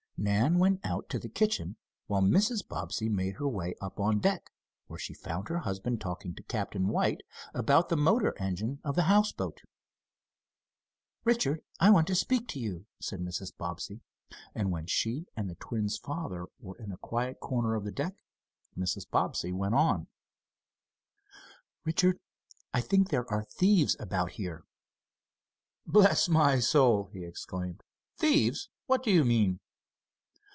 Nan went out to the kitchen, while Mrs. Bobbsey made her way up on deck, where she found her husband talking to Captain White about the motor engine of the houseboat. "Richard, I want to speak to you," said Mrs. Bobbsey, and when she and the twins' father were in a quiet corner of the deck, Mrs. Bobbsey went on: "Richard, I think there are thieves about here." "Bless my soul!" he exclaimed. "Thieves! What do you mean?"